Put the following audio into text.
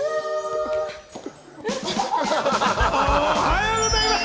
おはようございます！